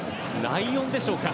ライオンでしょうか。